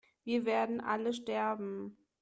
Wir werden alle sterben